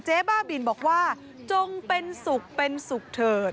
เจ๊บ้าบิ่นบอกว่าจงเป็นศุกร์เป็นศุกร์เถิด